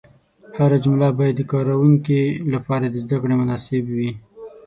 هره جمله باید د کاروونکي لپاره د زده کړې مناسب وي.